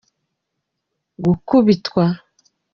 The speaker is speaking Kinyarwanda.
gukubitwa.